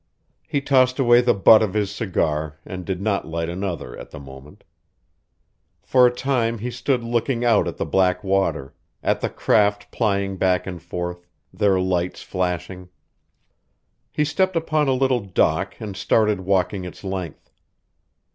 He tossed away the butt of his cigar and did not light another at the moment. For a time he stood looking out at the black water, at the craft plying back and forth, their lights flashing. He stepped upon a little dock and started walking its length.